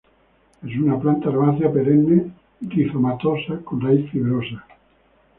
Es una planta herbácea perenne rizomatosa, con raíz fibrosa.